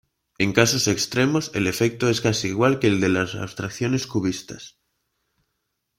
En casos extremos el efecto es casi igual que el de las abstracciones cubistas.